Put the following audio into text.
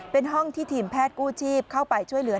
เป็นห้องที่ทีมแพทย์กู้ชีพเข้าไปช่วยเหลือ